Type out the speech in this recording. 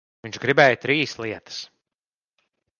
Viņš gribēja trīs lietas.